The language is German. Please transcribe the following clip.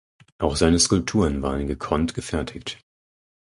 Auch seine Skulpturen waren gekonnt gefertigt.